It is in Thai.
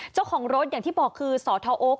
เจ้าของรถอย่างที่บอกคือสทโอ๊ค